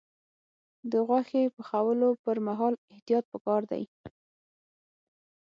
د غوښې پخولو پر مهال احتیاط پکار دی.